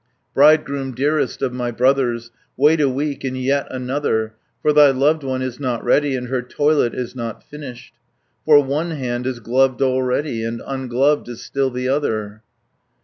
"Bridegroom, dearest of my brothers, Wait a week, and yet another, 40 For thy loved one is not ready, And her toilet is not finished. For one hand is gloved already, And ungloved is still the other.